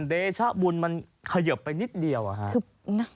เดชะบุญมันเขยิบไปนิดเดียวอะฮะ